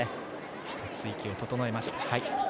１つ息を整えました。